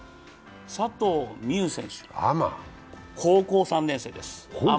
佐藤心結選手、高校３年生です。